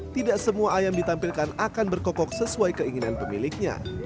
tidak semua ayam ditampilkan akan berkokok sesuai keinginan pemiliknya